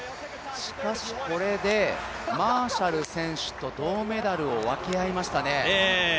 しかしこれでマーシャル選手と銅メダルを分け合いましたね。